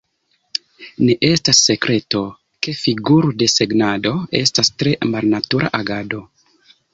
Ne estas sekreto, ke figur-desegnado estas tre malnatura agado.